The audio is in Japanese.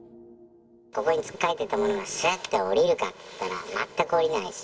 ここにつっかえていたものが、すって下りるかっつったら全く下りないし。